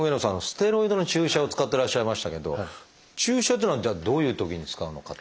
ステロイドの注射を使ってらっしゃいましたけど注射っていうのはじゃあどういうときに使うのか。